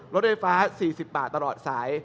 รถไฟฟ้า๔๐บาทตลอดสาย